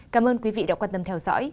cảm ơn quý vị đã quan tâm theo dõi